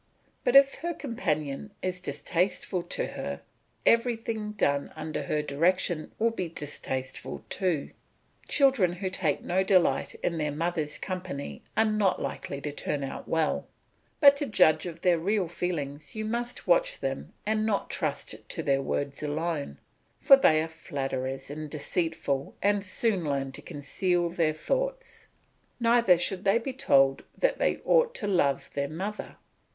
But if her companion is distasteful to her, everything done under her direction will be distasteful too. Children who take no delight in their mother's company are not likely to turn out well; but to judge of their real feelings you must watch them and not trust to their words alone, for they are flatterers and deceitful and soon learn to conceal their thoughts. Neither should they be told that they ought to love their mother.